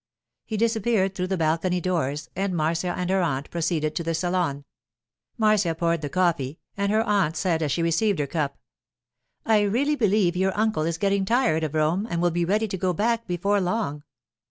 He disappeared through the balcony doors, and Marcia and her aunt proceeded to the salon. Marcia poured the coffee, and her aunt said as she received her cup, 'I really believe your uncle is getting tired of Rome and will be ready to go back before long.